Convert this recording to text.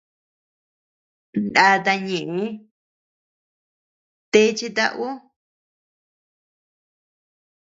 Ndata ñeʼe techeta ú.